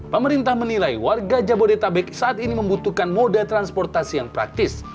pemerintah menilai warga jabodetabek saat ini membutuhkan moda transportasi yang praktis